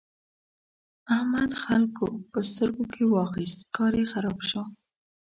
احمد خلګو په سترګو کې واخيست؛ کار يې خراب شو.